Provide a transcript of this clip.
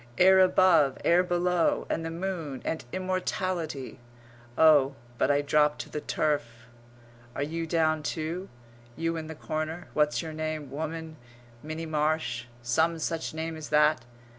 Air above, air below. And the moon and immortality.... Oh, but I drop to the turf! Are you down too, you in the corner, what's your name woman Minnie Marsh; some such name as that?